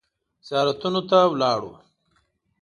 زیارتونو ته ولاړو.